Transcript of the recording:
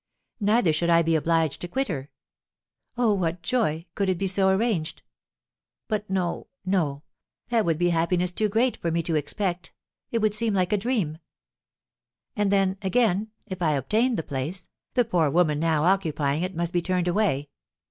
Neither should I be obliged to quit her. Oh, what joy, could it be so arranged! But no, no, that would be happiness too great for me to expect; it would seem like a dream. And then, again, if I obtained the place, the poor woman now occupying it must be turned away.